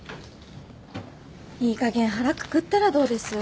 いいかげん腹くくったらどうです？